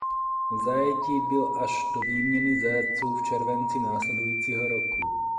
V zajetí byl až do výměny zajatců v červenci následujícího roku.